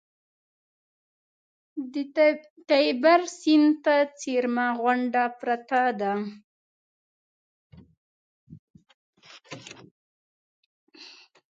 د تیبر سیند ته څېرمه غونډه پرته ده.